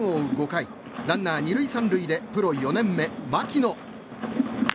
５回ランナー２塁３塁でプロ４年目、牧野。